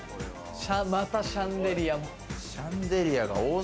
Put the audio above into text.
またシャンデリア。